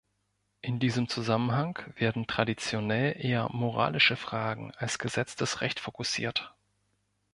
In diesem Zusammenhang werden traditionell eher moralische Fragen als gesetztes Recht fokussiert.